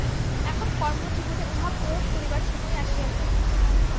এখন কর্মজীবনে উহা প্রয়োগ করিবার সময় আসিয়াছে।